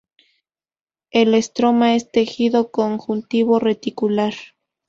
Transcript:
El estroma es tejido conjuntivo reticular.